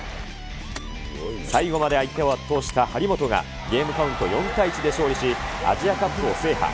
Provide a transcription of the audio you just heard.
最後まで相手を圧倒した張本が、ゲームカウント４対１で勝利し、アジアカップを制覇。